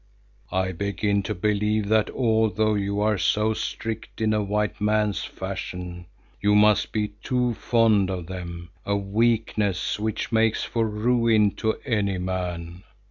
I begin to believe that although you are so strict in a white man's fashion, you must be too fond of them, a weakness which makes for ruin to any man.